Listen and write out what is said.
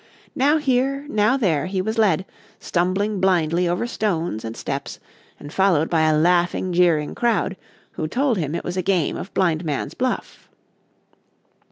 Now here, now there, he was led, stumbling blindly over stones and steps, and followed by a laughing, jeering crowd, who told him it was a game of blind man's bluff.